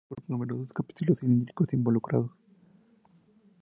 Inflorescencias formadas por numerosos capítulos cilíndricos involucrados.